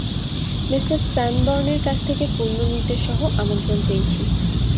Me স্যানবর্ন-এর কাছ থেকে পূর্ণ নির্দেশসহ আমন্ত্রণ পেয়েছি।